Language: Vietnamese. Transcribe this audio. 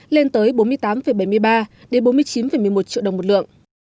lên tới bốn mươi tám bảy mươi ba bốn mươi chín một mươi một triệu đồng một lượng